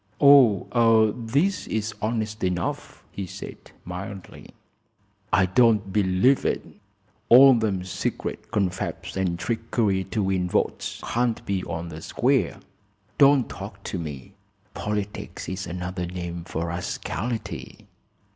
"Oh, this is honest enough," he said, mildly. "I don't believe it. All them secret confabs an' trickery to win votes can't be on the square. Don't talk to me! Politics is another name for rascality!"